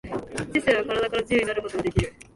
知性は身体から自由になることができる。